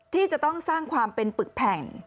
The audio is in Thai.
ที่จะต้องสร้างความเป็นปึกแผ่น